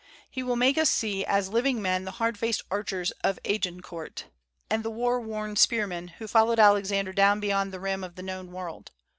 He will make us see as living men the hard faced archers of Agincourt, and the war worn spearmen who followed Alexander down beyond the rim of the known world.